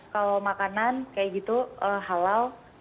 kalau makanan kayak gitu halal